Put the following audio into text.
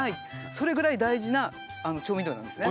それぐらい大事な調味料なんですね。